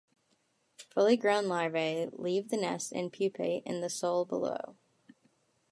Fully grown larvae leave the nest and pupate in the soil below.